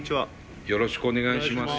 よろしくお願いします。